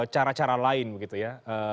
cara cara lain begitu ya